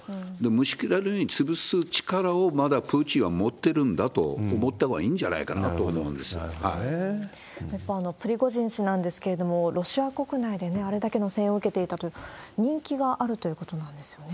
虫けらのように潰す力を、まだプーチンは持ってるんだと思ったほうがいいんじゃないかと思一方、プリゴジン氏なんですけれども、ロシア国内であれだけの声援を受けていたという、人気があるということなんですよね。